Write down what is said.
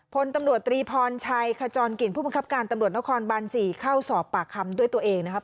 พลตำรวจตรีพรชัยขจรกลิ่นผู้บังคับการตำรวจนครบัน๔เข้าสอบปากคำด้วยตัวเองนะครับ